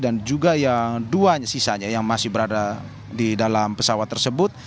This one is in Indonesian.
dan juga yang dua sisanya yang masih berada di dalam pesawat tersebut